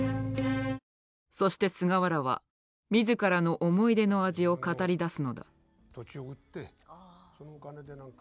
そして菅原は自らの思い出の味を語り出すのだ。